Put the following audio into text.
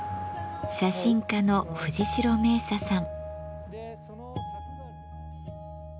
写真家の藤代冥砂さん。